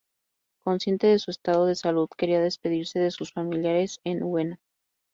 Consciente de su estado de salud, quería despedirse de sus familiares en Ueno.